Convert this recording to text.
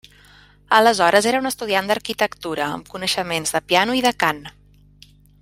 Aleshores era un estudiant d'arquitectura amb coneixements de piano i de cant.